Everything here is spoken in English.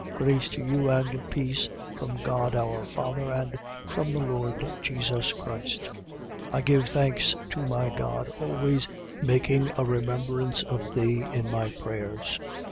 1:3. Grace to you and peace, from God our Father and from the Lord Jesus Christ. 1:4. I give thanks to my God, always making a remembrance of thee in my prayers.